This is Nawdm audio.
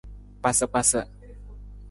Kpasakpasa.